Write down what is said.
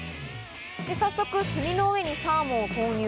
早速、炭の上にサーモンを投入！